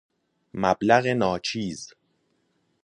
مبلغ ناچیز